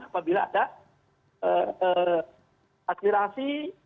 apabila ada aspirasi